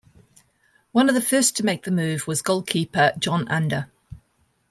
One of the first to make the move was goalkeeper Jon Ander.